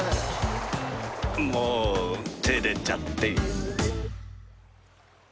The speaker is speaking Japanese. もう照れちゃって。